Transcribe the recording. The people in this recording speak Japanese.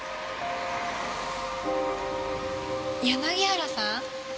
柳原さん？